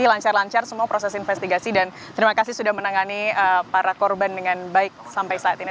lancar lancar semua proses investigasi dan terima kasih sudah menangani para korban dengan baik sampai saat ini